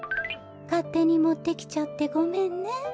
かってにもってきちゃってごめんね。